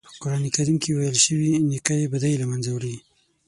په قرآن کریم کې ویل شوي نېکۍ بدۍ له منځه وړي.